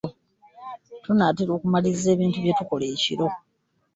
Tunaatera okumaliriza ebintu byetukola ekiro.